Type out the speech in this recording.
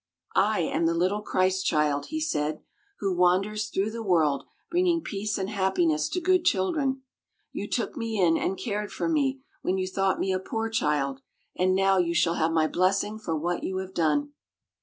"I am the little Christ child," he said, "who wanders through the world bringing peace and happiness to good children. You took me in and cared for me when you thought me a poor child, and now you shall have my blessing for what you have done."